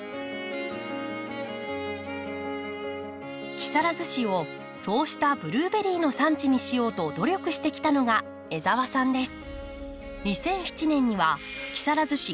木更津市をそうしたブルーベリーの産地にしようと努力してきたのが江澤さんです。